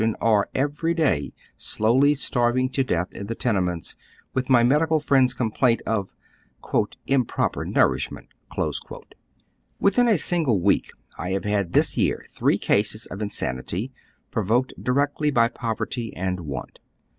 171 are every day slowly starving to death in the tenements with ray medical friend's complaint of " improper nourish ment." Within a single week I have had this year three cases of insanity, provoked directly by poverty and want.